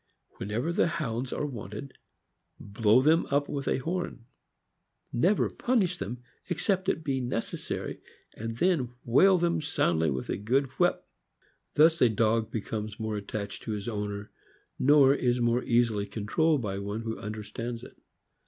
Whenever the Hounds are wanted, blow them up with a horn, ^fever punish them except it be necessary, and then whale them soundly with a good whip. JSTo dog becomes more attached to his owner, nor is more easily controlled by one who understands it.